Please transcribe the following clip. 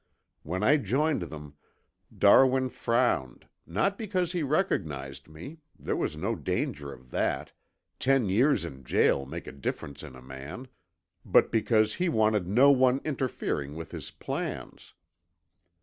When I joined them, Darwin frowned, not because he recognized me (there was no danger of that ten years in jail make a difference in a man), but because he wanted no one interfering with his plans.